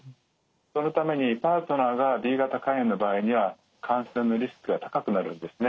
そのためにパートナーがＢ型肝炎の場合には感染のリスクが高くなるんですね。